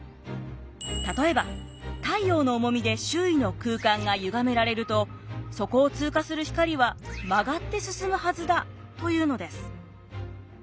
例えば太陽の重みで周囲の空間がゆがめられるとそこを通過する光は曲がって進むはずだというのです。